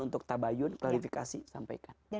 untuk tabayun klarifikasi sampaikan